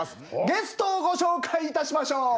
ゲストをご紹介いたしましょう！